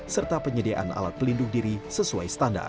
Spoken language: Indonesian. serta penyediaan alat pelindung diri sesuai standar